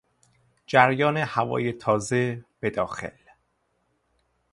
جریان هوای تازه به داخل